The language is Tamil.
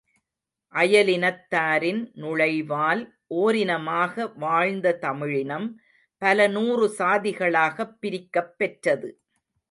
அயலினத்தாரின் நுழைவால் ஓரினமாக வாழ்ந்த தமிழினம் பலநூறு சாதிகளாகப் பிரிக்கப் பெற்றது.